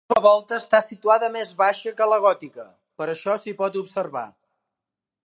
La nova volta està situada més baixa que la gòtica, per això s'hi pot observar.